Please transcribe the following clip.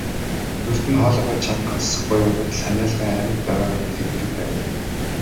Урьд нь хоолойгоо чангахан засах буюу худал ханиалган амьд байгаагаа мэдэгддэг байв.